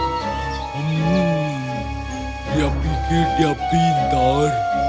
hmm dia pikir dia pintar